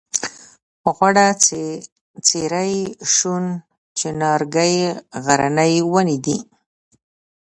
غوړه څېرۍ ښوون چناررنګی غرني ونې دي.